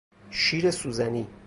شیر سوزنی